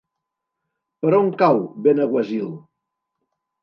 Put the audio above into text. Per on cau Benaguasil?